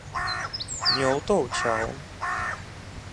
牛鬥橋